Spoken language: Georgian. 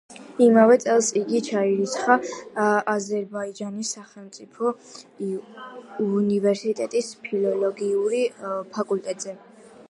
იმავე წელს იგი ჩაირიცხა აზერბაიჯანის სახელმწიფო უნივერსიტეტის ფილოლოგიურ ფაკულტეტზე.